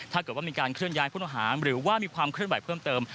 ถ้าเกิดว่ามีการเคลื่อนย้ายผู้ต้องหาหรือว่ามีความเคลื่อนไหวเพิ่มเติม